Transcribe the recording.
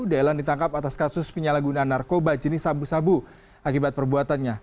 daylan ditangkap atas kasus penyalahgunaan narkoba jenis sabu sabu akibat perbuatannya